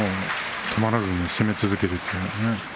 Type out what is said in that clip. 止まらずに攻め続ける。